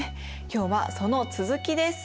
今日はその続きです。